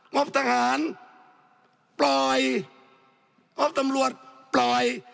งบทหารปล่อยงบตำรวจปล่อย